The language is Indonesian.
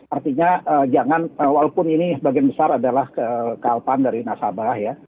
artinya jangan walaupun ini bagian besar adalah kealpan dari nasabah ya